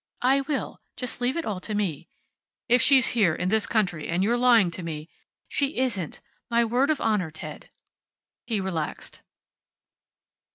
"I will. Just leave it all to me." "If she's here, in this country, and you're lying to me " "She isn't. My word of honor, Ted." He relaxed.